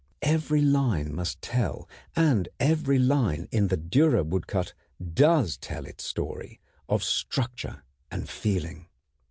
Every line must tell, and every line in the Dürer woodcut does tell its story of structure and feeling.